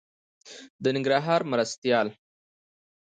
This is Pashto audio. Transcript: د ننګرهار مرستيال